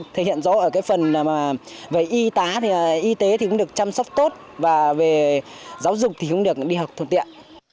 thể hiện rõ ở phần y tá y tế cũng được chăm sóc tốt và về giáo dục cũng được đi học thuận tiện